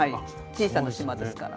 小さな島ですから。